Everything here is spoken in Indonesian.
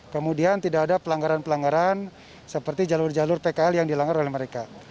kemudian tidak ada pelanggaran pelanggaran seperti jalur jalur pkl yang dilanggar oleh mereka